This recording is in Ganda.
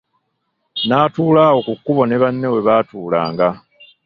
N'atuula awo ku kkubo ne banne we baatuulanga.